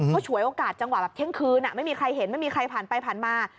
เขาฉวยโอกาสจังหวะแบบเที่ยงคืนไม่มีใครเห็นไม่มีใครผ่านไปผ่านมา